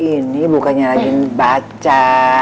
ini bukannya lagi baca